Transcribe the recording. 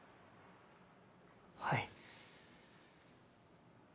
はい。